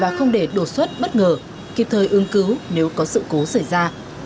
và không để đột xuất bất ngờ kịp thời ương cứu nếu có sự cố xảy ra